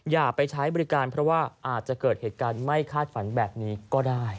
อย่าไปใช้บริการเพราะว่าอาจจะเกิดเหตุการณ์ไม่คาดฝันแบบนี้ก็ได้